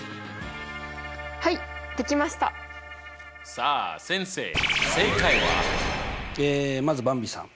さあ先生まずばんびさん。